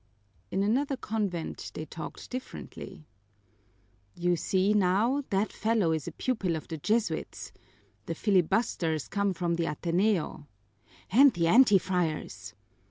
In another convent they talked differently. "You see, now, that fellow is a pupil of the Jesuits. The filibusters come from the Ateneo." "And the anti friars."